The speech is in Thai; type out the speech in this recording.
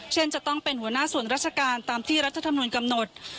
จะต้องเป็นหัวหน้าส่วนราชการตามที่รัฐธรรมนุนกำหนด